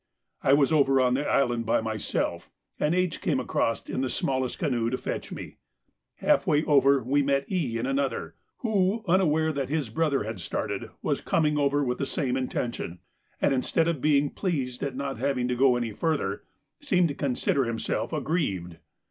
I was over on the island by myself, and H. came across in the smallest canoe to fetch me. Half way over we met E. in another, who, unaware that his brother had started, was coming over with the same intention, and, instead of being pleased at not having to go any further, seemed to consider himself aggrieved.